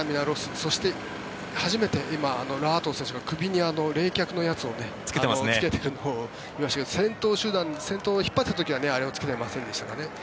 そして初めてラ・アトウ選手が首に冷却のやつをつけているのを見ましたが先頭集団先頭を引っ張っていた時はあれをつけていませんでしたからね。